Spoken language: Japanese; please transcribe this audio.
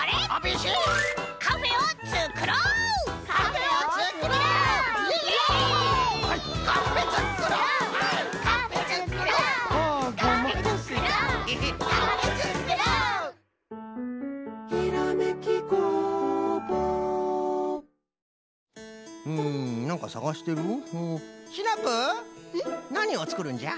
シナプーなにをつくるんじゃ？